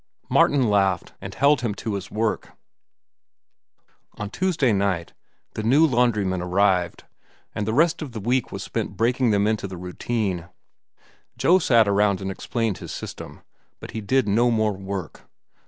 Martin laughed and held him to his work. On Tuesday night the new laundrymen arrived, and the rest of the week was spent breaking them into the routine. Joe sat around and explained his system, but he did no more work.